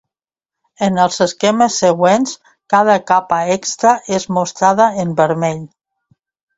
En els esquemes següents, cada capa extra és mostrada en vermell.